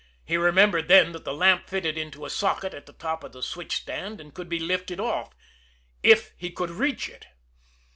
He remembered then that the lamp fitted into a socket at the top of the switch stand, and could be lifted off if he could reach it!